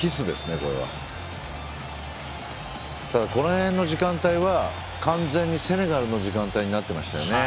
この辺の時間帯は完全にセネガルの時間帯になっていましたよね。